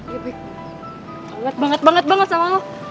ya baik banget banget banget banget sama lo